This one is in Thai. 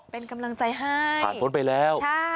เป็นกำลังใจให้ผ่านพ้นไปแล้ว